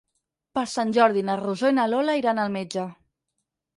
Per Sant Jordi na Rosó i na Lola iran al metge.